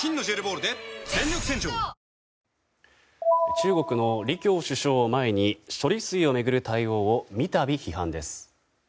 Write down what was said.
中国の李強首相を前に処理水を巡る対応を三度、批判です。